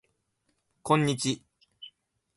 こんにち